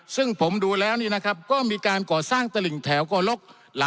ซึ่งผมดูแล้วนี่นะครับก็มีการก่อสร้างตลิ่งแถวก่อลก